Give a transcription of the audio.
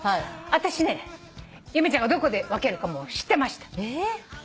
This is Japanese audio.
私ね由美ちゃんがどこで分けるかもう知ってました。